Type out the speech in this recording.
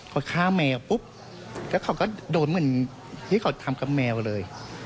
เขาฆ่าแมวปุ๊บแล้วเขาก็โดนเหมือนที่เขาทำกับแมวเลย